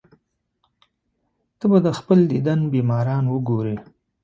ته به د خپل دیدن بیماران وګورې.